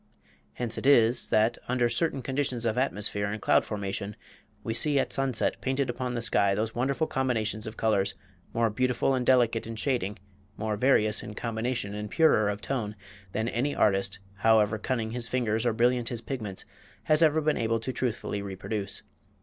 Hence it is that, under certain conditions of atmosphere and cloud formation, we see at sunset painted upon the sky those wonderful combinations of colors, more beautiful and delicate in shading, more various in combination and purer of tone, than any artist, however cunning his fingers or brilliant his pigments, has ever been able to truthfully reproduce.